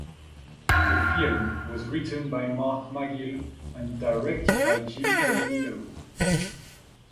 The film was written by Mark Magill and directed by Jill Godmilow.